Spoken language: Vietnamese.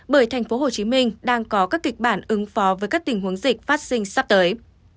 bởi thành phố hồ chí minh đang có các kịch bản ứng phó với các tình huống dịch phát sinh sắp tới